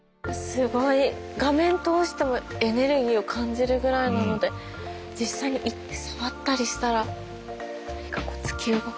すごい画面通してもエネルギーを感じるぐらいなので実際に行って触ったりしたら何か突き動かされるんでしょうね。